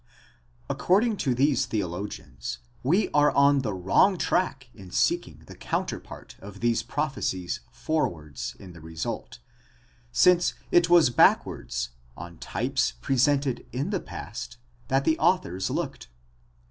According to these theologians, we are on the wrong track in seeking the counterpart of these prophecies forwards, in the result; since it was back wards, on types presented in the past, that the authors looked.